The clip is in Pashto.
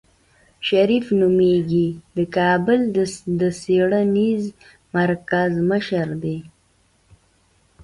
شريف نومېږي د کابل د څېړنيز مرکز مشر دی.